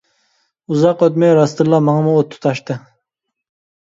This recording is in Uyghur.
ئۇزاق ئۆتمەي راستلا ماڭىمۇ ئوت تۇتاشتى.